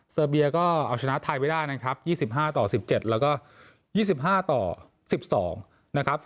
เซอร์เบียก็เอาชนะไทยไปได้นะครับยี่สิบห้าต่อสิบเจ็ดแล้วก็ยี่สิบห้าต่อสิบสองนะครับ